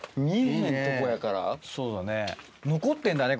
そうだね残ってんだね